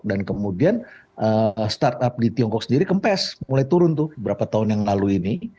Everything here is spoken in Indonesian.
dan kemudian startup di tiongkok sendiri kempes mulai turun tuh beberapa tahun yang lalu ini